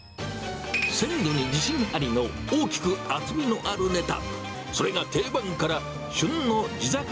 鮮度に自信ありの大きく厚みのあるネタ。